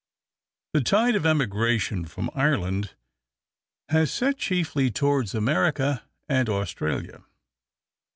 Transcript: The tide of emigration from Ireland has set chiefly towards America and Australia.